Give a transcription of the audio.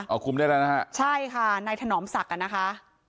เอาคุมได้แล้วนะฮะใช่ค่ะนายถนอมศักดิ์อ่ะนะคะ